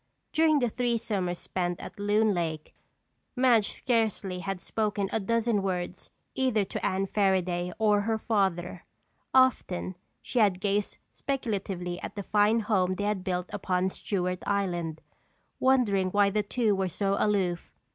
During the three summers spent at Loon Lake, Madge scarcely had spoken a dozen words either to Anne Fairaday or her father. Often she had gazed speculatively at the fine home they had built upon Stewart Island, wondering why the two were so aloof.